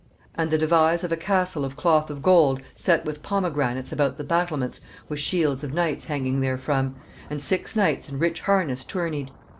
And the devise of a castle of cloth of gold, set with pomegranates about the battlements, with shields of knights hanging therefrom; and six knights in rich harness tourneyed.